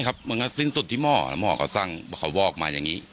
ก็หมอก็บอกว่าม่ากคนสั่งวอร์กมาอย่างนี้